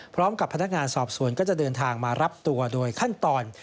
พร้อมกับพนักงานสอบสวนก็จะเดินทางมารับตัวโดยขั้นตอน